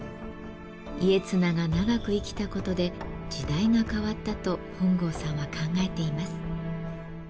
家綱が長く生きたことで時代が変わったと本郷さんは考えています。